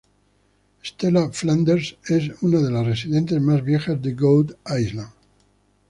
Stella Flanders es una de las residentes más viejas de Goat Island.